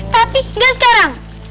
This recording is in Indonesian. tapi gak sekarang